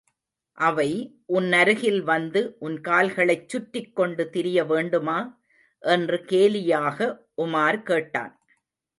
அவை, உன்னருகில் வந்து, உன் கால்களைச் சுற்றிக்கொண்டு திரிய வேண்டுமா? என்று கேலியாக உமார் கேட்டான்.